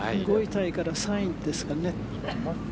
５位タイから３位ですからね。